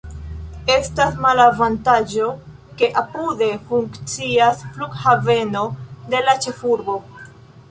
Estas malavantaĝo, ke apude funkcias flughaveno de la ĉefurbo.